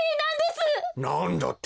なんだって？